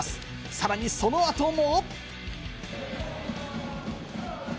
さらに、その後も。